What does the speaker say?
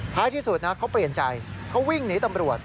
ท้ายที่สุดนะเขาเปลี่ยนใจเขาวิ่งหนีตำรวจ